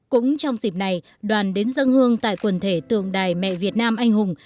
cũng trong dịp này đoàn đến dân hương tại quần thể tượng đài mẹ việt nam anh hùng